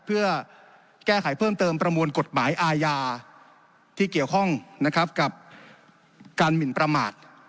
เพื่อแก้ไขเพิ่มเติมประมวลกฎหมายอาญาที่เกี่ยวข้องนะครับกับการหมินประมาท